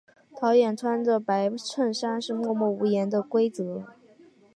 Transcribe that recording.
导演穿着白衬衫是默默无言的规则。